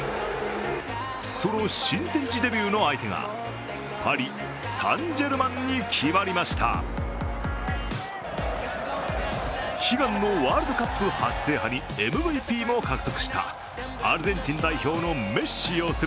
そんお新天地デビューの相手がパリ・サン＝ジェルマンに決まりました。悲願のワールドカップ初制覇にＭＶＰも獲得したアルゼンチン代表のメッシ擁する